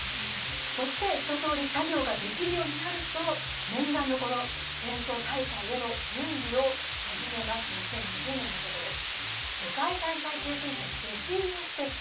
そして一とおり作業ができるようになると念願のチェーンソー大会への準備を始めます、２０２０年のことです。